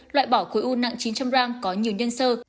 loại bỏ khối u nặng chín trăm linh g có nhiều nhân sơ